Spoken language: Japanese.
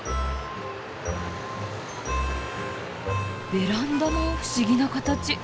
ベランダも不思議な形。